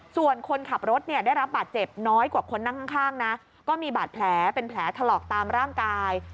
ส่วนคนขับรถเนี่ยได้รับบาดเจ็บน้อยกว่าคนนั่งข้างนะก็มีบาดแผลเป็นแผลถลอกตามร่างกาย